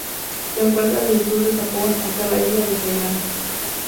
Se encuentra desde el sur del Japón hasta la isla de Hainan.